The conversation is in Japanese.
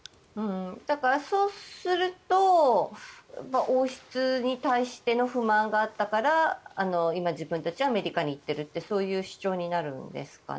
そうすると王室に対しての不満があったから今、自分たちはアメリカに行ってるってそういう主張になるんですかね。